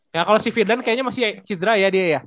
ya kalo si firdan kayaknya masih sidra ya dia ya